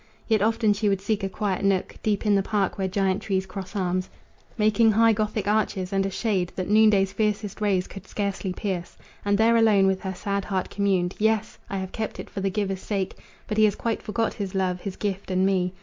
Yet often she would seek a quiet nook Deep in the park, where giant trees cross arms, Making high gothic arches, and a shade That noonday's fiercest rays could scarcely pierce, And there alone with her sad heart communed: "Yes! I have kept it for the giver's sake, But he has quite forgot his love, his gift, and me.